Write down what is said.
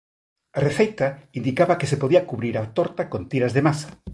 A receita indicaba que se podía cubrir a torta con tiras de masa.